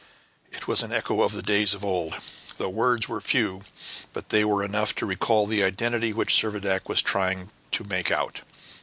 It was an echo of days of old. The words were few, but they were enough to recall the identity which Servadac was trying to make out.